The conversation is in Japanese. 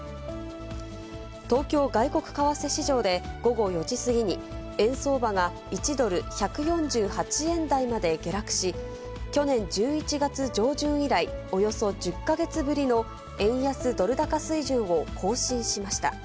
東京外国為替市場で午後４時過ぎに、円相場が１ドル１４８円台まで下落し、去年１１月上旬以来、およそ１０か月ぶりの円安ドル高水準を更新しました。